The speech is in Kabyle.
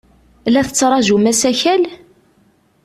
La tettṛajum asakal?